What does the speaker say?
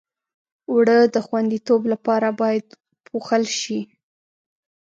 اوړه د خوندیتوب لپاره باید پوښل شي